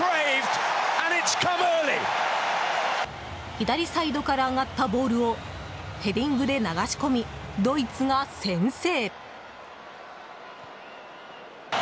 左サイドから上がったボールをヘディングで流し込みドイツが先制。